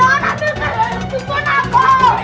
aduh aduh aduh aduh